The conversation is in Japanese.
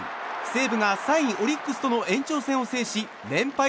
西武が３位、オリックスとの延長戦を制し連敗